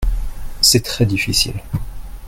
C'est très difficile.